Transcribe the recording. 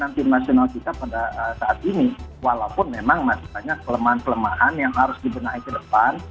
dan tim nasional kita pada saat ini walaupun memang maksudnya kelemahan kelemahan yang harus dibenahi ke depan